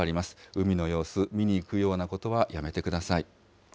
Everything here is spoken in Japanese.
海の様子、見に行くようなことはやめてください。